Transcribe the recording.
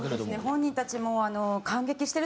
本人たちもあの。